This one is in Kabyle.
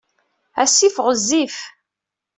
Asif ɣezzif.